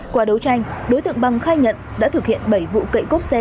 qua đấu tranh đối tượng bằng khai nhận đã thực hiện bảy vụ cậy cốp xe